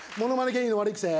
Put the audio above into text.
芸人の悪いクセ。